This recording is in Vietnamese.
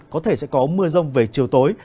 có thể sẽ có mưa rông về chiều tối